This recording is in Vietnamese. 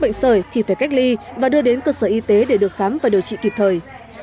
suốt phát ban nghi ngờ móc bệnh sởi thì phải cách ly và đưa đến cơ sở y tế để được khám và điều trị kịp thời